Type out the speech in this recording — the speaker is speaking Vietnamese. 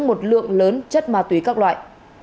một lượng lớn chất ma túy các loại